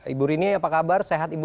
ibu rini apa kabar sehat ibu